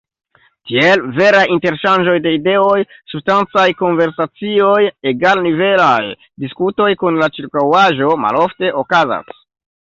Tiel veraj interŝanĝoj de ideoj, substancaj konversacioj, egalnivelaj diskutoj kun la ĉirkaŭaĵo malofte okazas.